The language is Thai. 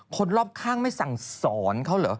คนรอบข้างไม่สั่งสอนเขาเหรอ